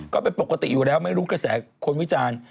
ก็เป็นปกติอยู่แล้วไม่รู้กระแสคนวิจารณ์